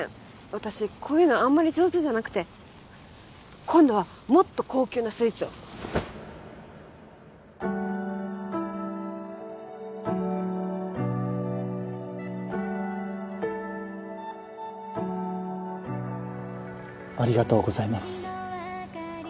私こういうのあんまり上手じゃなくて今度はもっと高級なスイーツをありがとうございます